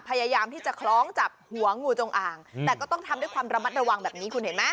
พยายามที่จะคล้องจับหัวงูจงอ่างแต่ก็ต้องทำด้วยความระมัดระวังแบบนี้คุณเห็นไหม